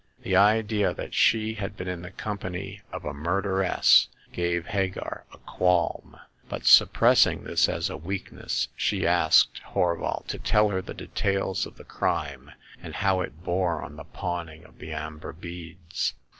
The idea that she had been in the company of a murderess gave Hagar a qualm ; but, suppressing this as a weakness, she asked Horval to tell her the details of the crime and how it bore on the pawning of the amber beads.